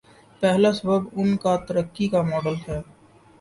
پہلا سبب ان کا ترقی کاماڈل ہے۔